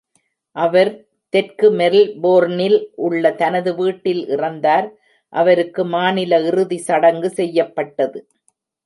அவர் தெற்கு மெல்போர்னில் உள்ள தனது வீட்டில் இறந்தார், அவருக்கு மாநில இறுதி சடங்கு செய்யப்பட்டது.